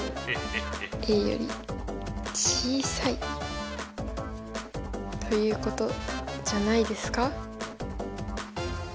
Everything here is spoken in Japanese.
より小さいということじゃないですか？